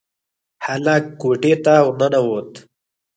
هلک کوټې ته ورننوت.